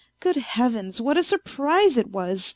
Good Heavens, what a surprise it was